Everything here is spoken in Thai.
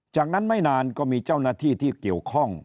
จากนั้นไม่นานก็มีเจ้าหน้าที่ที่เกี่ยวข้อง